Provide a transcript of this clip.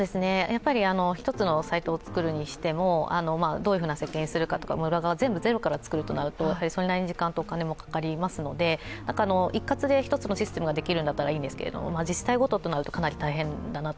１つのサイトを作るにしてもどういう設計にするのか、全部ゼロからするとそれなりに時間もお金もかかりますし一括で１つのシステムができるんだったらいいんですが自治体ごととなるとかなり大変だなと。